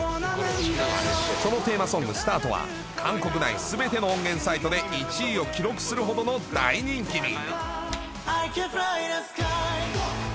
そのテーマソングＳＴＡＲＴは韓国全ての音源サイトで１位を記録するほどの大人気に。